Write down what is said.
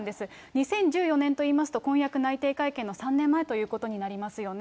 ２０１４年といいますと、婚約内定会見の３年前ということになりますよね。